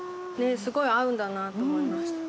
すごい合うんだなと思いました。